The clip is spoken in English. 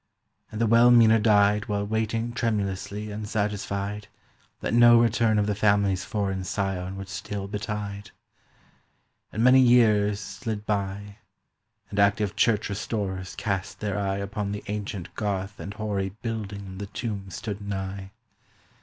And the well meaner died While waiting tremulously unsatisfied That no return of the family's foreign scion Would still betide. And many years slid by, And active church restorers cast their eye Upon the ancient garth and hoary building The tomb stood nigh.